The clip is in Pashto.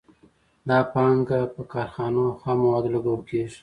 دا پانګه په کارخانو او خامو موادو لګول کېږي